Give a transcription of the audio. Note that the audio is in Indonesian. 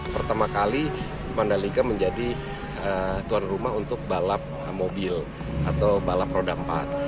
pertama kali mandalika menjadi tuan rumah untuk balap mobil atau balap roda empat